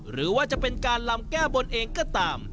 หรือว่าจะเป็นการลำแก้บนเองก็ตาม